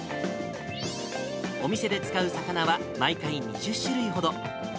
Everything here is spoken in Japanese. お店で使う魚は毎回２０種類ほど。